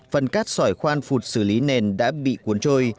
phần cát sỏi khoan phụt xử lý nền đã bị cuốn trôi